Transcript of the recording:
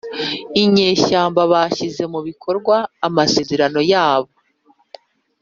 inyeshyamba bashyira mu bikorwa amasezerano yabo.